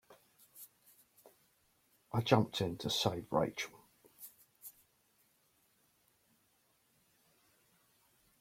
I jumped in to save Rachel.